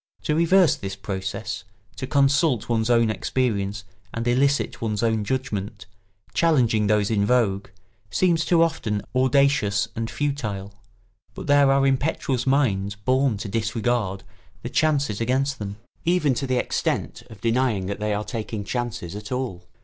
To reverse this process, to consult one's own experience and elicit one's own judgment, challenging those in vogue, seems too often audacious and futile; but there are impetuous minds born to disregard the chances against them, even to the extent of denying that they are taking chances at all.